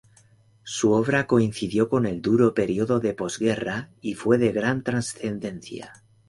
Su obra coincidió con el duro período de posguerra y fue de gran trascendencia.